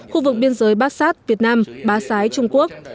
khu vực biên giới bát sát việt nam bá sái trung quốc